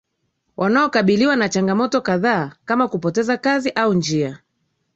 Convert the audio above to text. wanaokabiliwa na changamoto kadhaa kama kupoteza kazi au njia